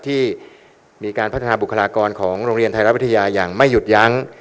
ที่มีการพัฒนาบุคลากรของโรงเรียนไทยรัฐวิทยาอย่างไม่หยุดยั้ง